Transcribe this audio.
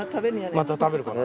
また食べるかな？